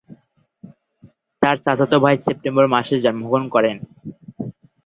তার চাচাতো ভাই সেপ্টেম্বর মাসে জন্মগ্রহণ করে।